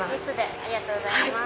ありがとうございます。